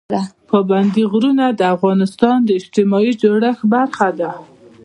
پابندی غرونه د افغانستان د اجتماعي جوړښت برخه ده.